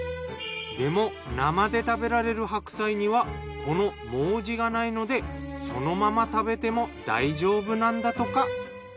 でも生で食べられる白菜にはこの毛茸がないのでそのまま食べても大丈夫なんだとか。